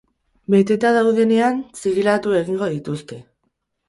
Beteta daudenean, zigilatu egingo dituzte.